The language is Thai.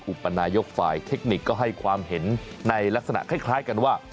อุปนายกฝ่ายเทคนิคก็ให้ความเห็นในลักษณะคล้ายกันว่า